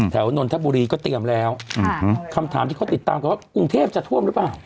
นนทบุรีก็เตรียมแล้วคำถามที่เขาติดตามกันว่ากรุงเทพจะท่วมหรือเปล่า